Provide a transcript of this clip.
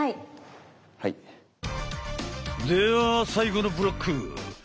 では最後のブロック！